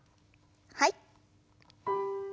はい。